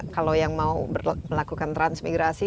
kalau yang mau melakukan transmigrasi